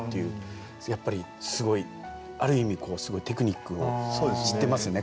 やっぱりすごいある意味すごいテクニックを知ってますね